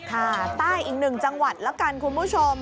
ค่ะใต้อีกหนึ่งจังหวัดแล้วกันคุณผู้ชม